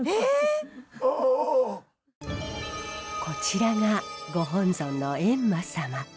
こちらがご本尊の閻魔様。